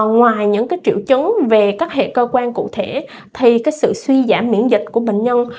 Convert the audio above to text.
ngoài những triệu chứng về các hệ cơ quan cụ thể thì sự suy giảm miễn dịch của bệnh nhân